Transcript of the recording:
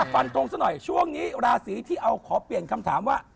ฟันทงซะหน่อยช่วงนี้ราศีที่เอาขอเปลี่ยนคำถามว่า